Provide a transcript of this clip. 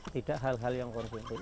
tidak hal hal yang konkretif